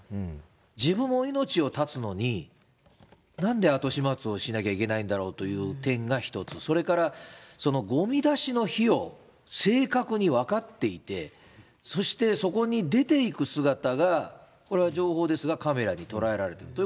自分も命を絶つのに、なんで後始末をしなきゃいけないんだろうという点が一つ、それからごみ出しの日を正確に分かっていて、そして、そこに出ていく姿が、これは情報ですが、カメラに捉えられている。